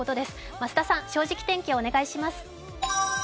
増田さん、「正直天気」お願いします。